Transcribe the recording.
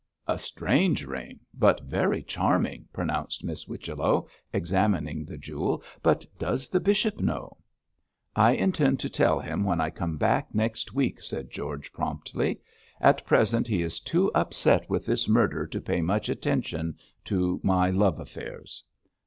'A strange ring, but very charming,' pronounced Miss Whichello, examining the jewel. 'But does the bishop know?' 'I intend to tell him when I come back next week' said George, promptly. 'At present he is too upset with this murder to pay much attention to my love affairs.'